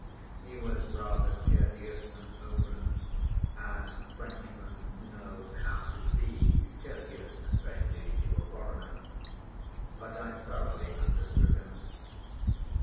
He was rather courteous than open, as Frenchmen know how to be courteous, especially to a foreigner. But I thoroughly understood him.